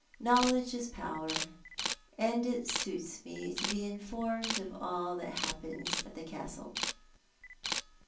Knowledge is power, and it suits me to be informed of all that happens at the Castle."